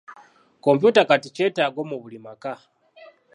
Kompyuta kati kyetaago mu buli maka.